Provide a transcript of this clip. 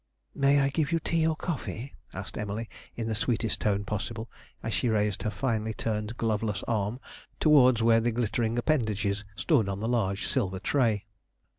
'May I give you tea or coffee?' asked Emily, in the sweetest tone possible, as she raised her finely turned gloveless arm towards where the glittering appendages stood on the large silver tray.